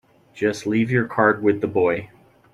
Just leave your card with the boy.